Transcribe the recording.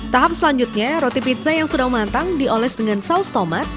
tahap selanjutnya roti pizza yang sudah matang dioles dengan saus tomat